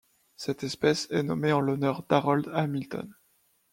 Cette espèce est nommée en l'honneur d'Harold Hamilton.